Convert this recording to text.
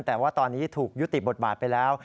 แต่ว่าตอนนี้ถูกยุติบทบาทไปแล้ว